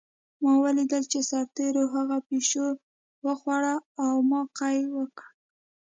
ما ولیدل چې سرتېرو هغه پیشو وخوړه او ما قی وکړ